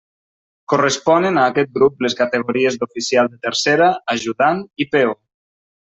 Corresponen a aquest grup les categories d'oficial de tercera, ajudant i peó.